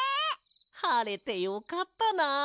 はれてよかったな。